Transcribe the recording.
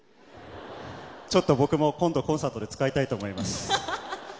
僕も今度コンサートで使いたいと思います。